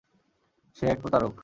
সে এক প্রতারক!